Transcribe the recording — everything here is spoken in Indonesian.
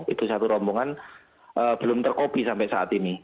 itu satu rombongan belum terkopi sampai saat ini